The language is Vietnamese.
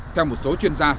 theo một số chuyên gia